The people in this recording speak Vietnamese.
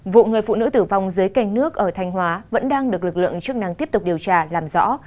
vụ người phụ nữ tử vong dưới canh nước ở thanh hóa vẫn đang được lực lượng chức năng tiếp tục điều tra làm rõ